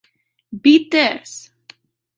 Beat This!